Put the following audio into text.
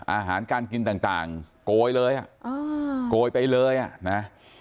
อาหารการกินต่างโกยเลยอ่ะโกยไปเลยอ่ะนะ